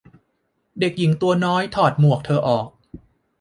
เด็กหญิงตัวน้อย ถอดหมวกเธอออก